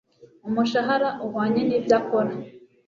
umushahara uhwanye nibyo akora